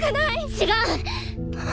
違う！